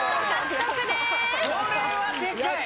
これはでかい！